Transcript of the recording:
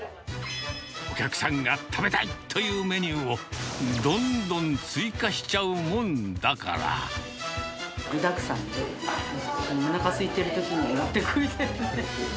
お客さんが食べたい！というメニューを、どんどん追加しちゃ具だくさんで、おなかすいてるときにもってこいだよね。